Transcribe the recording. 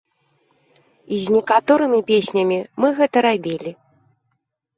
І з некаторымі песнямі мы гэта рабілі.